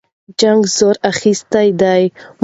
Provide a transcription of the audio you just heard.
جنګ زور اخیستی دی.